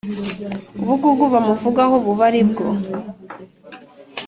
ubugugu bamuvugaho buba ari bwo.